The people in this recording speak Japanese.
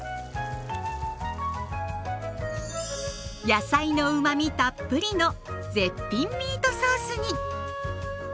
野菜のうまみたっぷりの絶品ミートソースに。